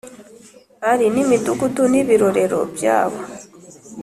Ari n imidugudu n ibirorero byayo